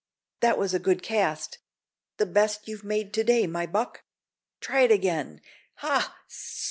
That was a good cast the best you've made to day, my buck; try it again ha!